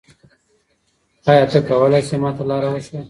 آیا ته کولای سې ما ته لاره وښیې؟